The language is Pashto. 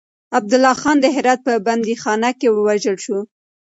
عبدالله خان د هرات په بنديخانه کې ووژل شو.